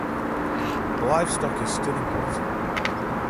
Livestock is still important.